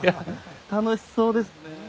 楽しそうですね。